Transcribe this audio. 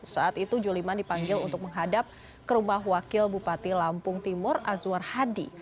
saat itu juliman dipanggil untuk menghadap ke rumah wakil bupati lampung timur azwar hadi